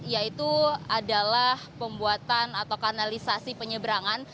yaitu adalah pembuatan atau kanalisasi penyeberangan